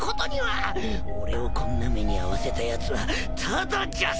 俺をこんな目に遭わせたやつはただじゃ済まさねえ！